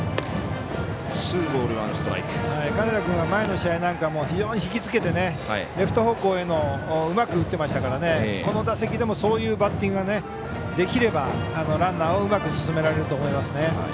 金田君は、前の試合なんか非常に引きつけてレフト方向へうまく打っていましたからこの打席でもそういうバッティングができればランナーをうまく進められると思います。